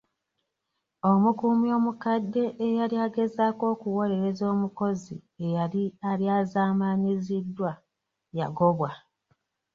Omukuumi omukadde eyali agezaako okuwolereza omukozi eyali alyazaamanyiziddwa yagobwa.